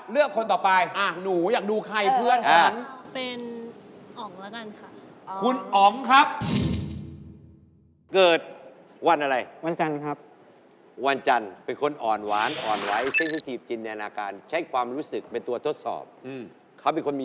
มือซ้ายในชาติกำเนิดมือขวาหมายถึงอนาคต